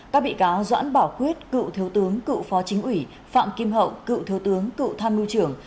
các bị cáo doãn bảo quyết cựu thiếu tướng cựu phó chính ủy phạm kim hậu cựu thiếu tướng cựu tham mưu trưởng